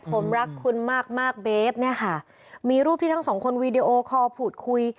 ผมรักคุณมากมากเบฟเนี่ยค่ะมีรูปที่ทั้งสองคนวีดีโอคอลพูดคุย